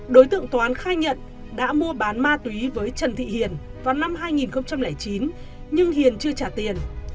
đối tượng toán khai nhận đã mua bán ma túy với trần thị hiền vào năm hai nghìn chín nhưng hiền chưa trả tiền